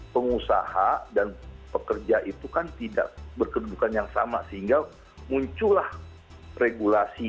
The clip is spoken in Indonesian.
pengusaha dan pekerja itu kan tidak berkedudukan yang sama sehingga muncullah regulasi